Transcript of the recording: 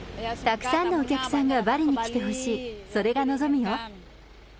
たくさんのお客さんがバリに来てほしい、それが望みよ。